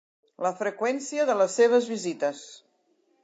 La freqüència de les seves visites.